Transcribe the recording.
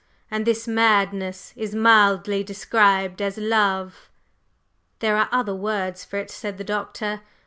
And this madness is mildly described as 'love?'" "There are other words for it," said the Doctor.